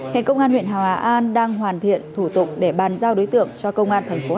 hiện công an huyện hòa an đang hoàn thiện thủ tục để bàn giao đối tượng cho công an thành phố hải phòng xử lý